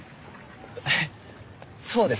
えっそうですか？